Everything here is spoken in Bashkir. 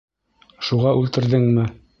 Шуға үлтерҙеңме?